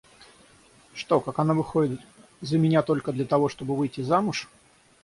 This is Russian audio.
Что как она выходит за меня только для того, чтобы выйти замуж?